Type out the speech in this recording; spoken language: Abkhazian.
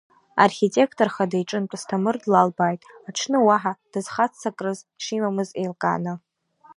Архитектор хада иҿынтә Асҭамыр длалбааит, аҽны уаҳа дызхаццакрыз шимамыз еилкааны.